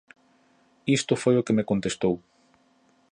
Isto foi o que me contestou: